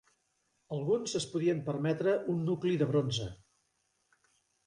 Alguns es podien permetre un nucli de bronze.